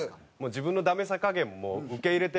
自分のダメさ加減も受け入れてるので。